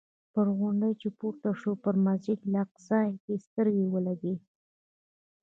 پر غونډۍ چې پورته شو پر مسجد الاقصی یې سترګې ولګېدې.